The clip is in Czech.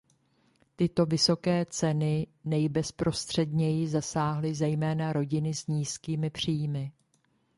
Tyto vysoké ceny nejbezprostředněji zasáhly zejména rodiny s nízkými příjmy.